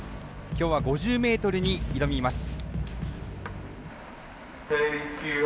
きょうは５０ｍに挑みます。